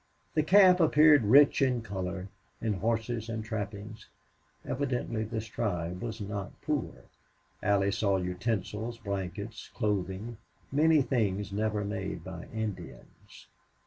The camp appeared rich in color in horses and trappings; evidently this tribe was not poor. Allie saw utensils, blankets, clothing many things never made by Indians.